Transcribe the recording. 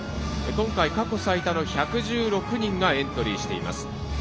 今回、過去最多の１１６人がエントリーしています。